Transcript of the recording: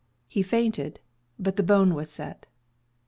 He fainted; but the bone was set.